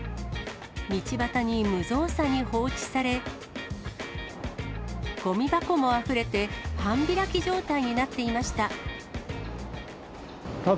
道端に無造作に放置され、ごみ箱もあふれて、半開き状態になっていました。